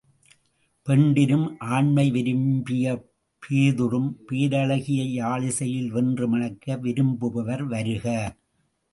பெண்டிரும் ஆண்மை விரும்பிப் பேதுறும் பேரழகியை யாழிசையில் வென்று மணக்க விரும்புபவர் வருக!